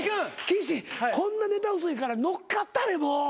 岸こんなネタ薄いから乗っかったれもう。